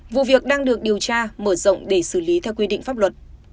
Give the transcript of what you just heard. vụ việc đang được điều tra mở rộng để xử lý theo quy định pháp luật